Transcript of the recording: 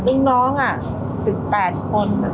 ลูกน้องอ่ะ๑๘คน